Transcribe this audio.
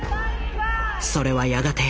それはやがて＃